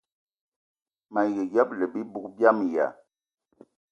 Mayi ṅyëbëla bibug biama ya